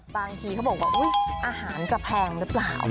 บางทีเขาบอกว่าอาหารจะแพงรึเปล่า